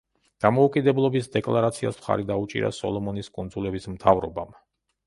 დამოუკიდებლობის დეკლარაციას მხარი დაუჭირა სოლომონის კუნძულების მთავრობამ.